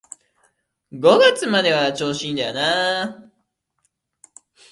五月までは調子いいんだよ